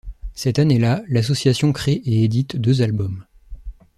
Cette année-là, l'association crée et édite deux albums.